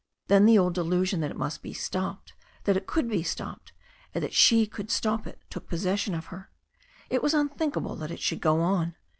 Then the old delusion that it must be stopped, that it could be stopped, and that she could stop it took possession of her. It was unthinkable that it should go on.